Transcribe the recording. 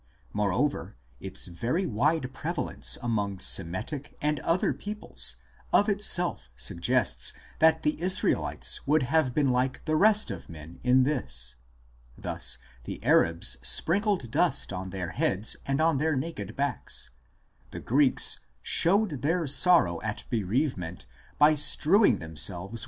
Moreover, its very wide prevalence among Semitic and other peoples of itself suggests that the Israelites would have been like the rest of men in this. Thus, the Arabs sprinkled dust on their heads and on their naked backs l ; the Greeks " showed their sorrow at bereavement by strew 1 Wellhausen, op. cit.